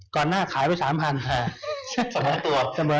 ก่อนหน้าขายไป๓๐๐๐ฮะเสมอตัว